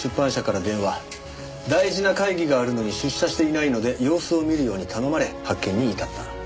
大事な会議があるのに出社していないので様子を見るように頼まれ発見に至った。